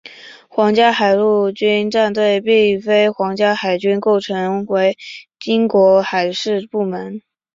皇家海军陆战队并与皇家海军构成为英国海事部门。